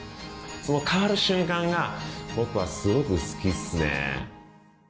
その変わる瞬間が僕はすごく好きですね。